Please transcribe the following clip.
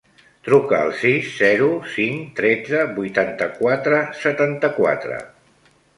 Truca al sis, zero, cinc, tretze, vuitanta-quatre, setanta-quatre.